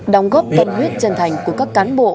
đóng góp tâm huyết chân thành của các cán bộ